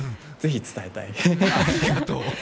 ぜひ伝えたい。